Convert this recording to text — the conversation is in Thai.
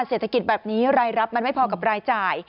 เศรษฐกิจแบบนี้รายรับมันไม่พอกับรายจ่าย